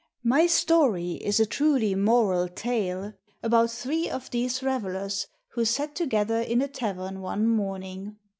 My story is a truly moral tale about three of these revelers who sat together in a tavern one morning.